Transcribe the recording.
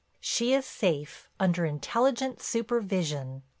She is safe, under intelligent supervision.